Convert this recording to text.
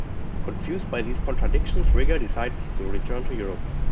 Confused by these contradictions, Rigger decides to return to Europe.